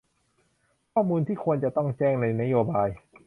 ข้อมูลที่ควรจะต้องแจ้งในนโยบาย